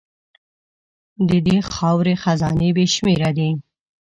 د دې خاورې خزانې بې شمېره دي.